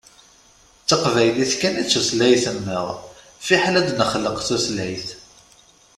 D taqbaylit kan i d tutlayt-nneɣ, fiḥel ad d-nexleq tutlayt.